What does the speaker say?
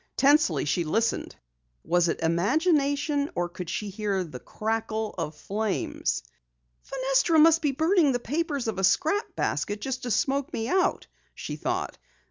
Tensely she listened. Was it imagination or could she hear the crackle of flames? "Fenestra may be burning the papers of a scrap basket just to smoke me out," she thought.